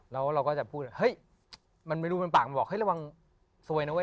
แล้วเราก็จะพูดเฮ้ยมันไม่รู้เป็นปากมันบอกเฮ้ระวังซวยนะเว้